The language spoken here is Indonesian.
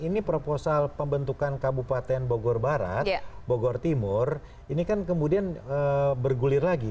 ini proposal pembentukan kabupaten bogor barat bogor timur ini kan kemudian bergulir lagi